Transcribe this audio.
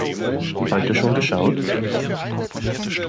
Heute schon geschaut?